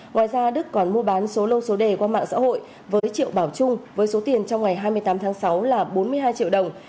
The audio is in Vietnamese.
ngoài ra đức còn mua bán số lô số đề qua mạng xã hội với triệu bảo trung với số tiền trong ngày hai mươi tám tháng sáu là bốn mươi hai triệu đồng